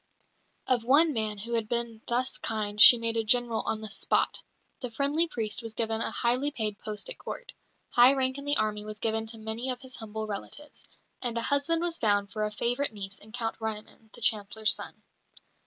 Of one man who had been thus kind she made a General on the spot; the friendly priest was given a highly paid post at Court; high rank in the army was given to many of his humble relatives; and a husband was found for a favourite niece in Count Ryoumin, the Chancellor's son.